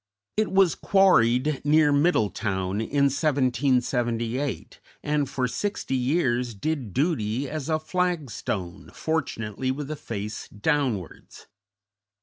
It was quarried near Middletown, in 1778, and for sixty years did duty as a flagstone, fortunately with the face downwards.